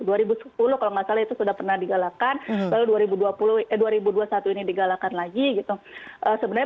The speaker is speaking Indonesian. dua ribu sepuluh kalau nggak salah itu sudah pernah digalakan lalu dua ribu dua puluh satu ini digalakan lagi gitu sebenarnya